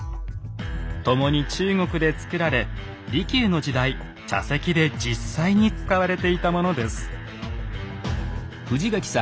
共に中国で作られ利休の時代茶席で実際に使われていたものです。